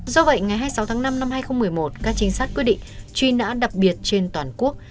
do vậy ngày hai mươi sáu tháng năm năm hai nghìn một mươi một các trinh sát quyết định truy nã đặc biệt trên toàn quốc